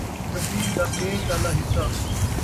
چَھٻّی دا پیچ آلا حِصّہ۔